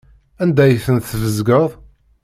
Anda ay ten-tesbezgeḍ?